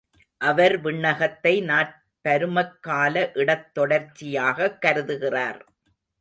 அவர் விண்ணகத்தை நாற் பருமக் கால இடத் தொடர்ச்சியாகக் கருதுகிறார்.